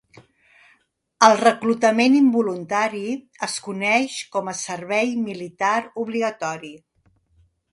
El reclutament involuntari es coneix com a servei militar obligatori.